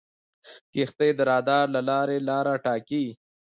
کښتۍ د رادار له لارې لاره ټاکي.